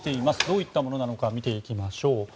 どういったものなのか見ていきましょう。